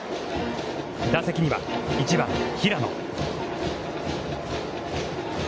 打席には１番平野。